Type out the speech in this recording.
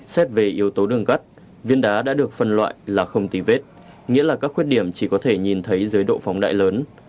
xét về yếu tố đường cắt viên đá đã được phân loại là không ti vết nghĩa là các khuyết điểm chỉ có thể nhìn thấy dưới độ phóng đại lớn